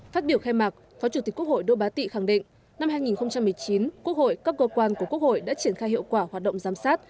phát biểu khai mạc phó chủ tịch quốc hội đỗ bá tị khẳng định năm hai nghìn một mươi chín quốc hội các cơ quan của quốc hội đã triển khai hiệu quả hoạt động giám sát